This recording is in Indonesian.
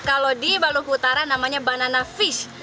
kalau di balukutara namanya banana fish